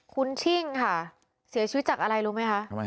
คุณชิ้นสิทธิ์เค้าเสียชีวิตจากอะไรรู้ไหมคะ